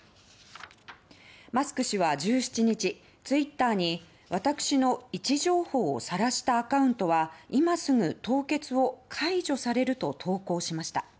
マスク氏は１７日ツイッターに私の位置情報をさらしたアカウントは今すぐ凍結を解除されると投稿しました。